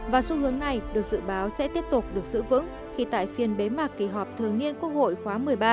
và xu hướng này được dự báo sẽ tiếp tục được giữ vững khi tại phiên bế mạc kỳ họp thường niên quốc hội khóa một mươi ba